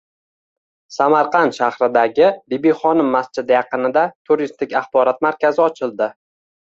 Samarqand shahridagi Bibixonim masjidi yaqinida turistik axborot markazi ochildi